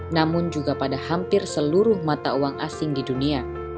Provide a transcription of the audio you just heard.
namun juga pada hampir seluruh mata uang asing di dunia